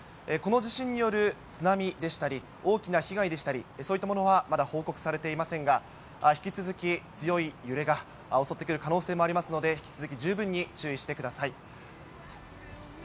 この地震による津波でしたり、大きな被害でしたり、そういったものは、まだ報告されていませんが、引き続き強い揺れが襲ってくる可能性もありますので、引き続き十分に注意してください。